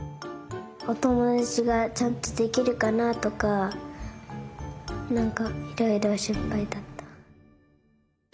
おともだちがちゃんとできるかなとかなんかいろいろしんぱいだった。